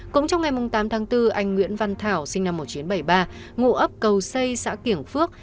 cũng trong ngày tám tháng bốn anh nguyễn văn thảo sinh năm một nghìn chín trăm bảy mươi ba ngụ ấp cầu xây xã kiểng phước